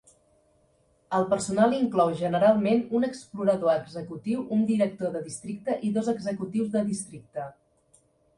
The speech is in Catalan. El personal inclou generalment un explorador executiu, un director de districte i dos executius de districte.